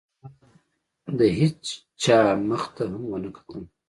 احمد د هېڅا مخ ته هم ونه کتل.